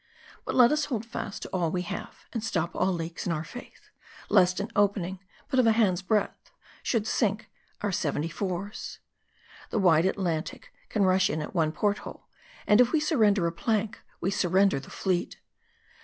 But let us hold fast to all we have ; and stop all leaks in our faith ; lest an opening, but of a hand's breadth, should sink our seventy fours. The wide Atlantic can rush in at one port hole ; and if we surrender a plank, we sur render the fleet.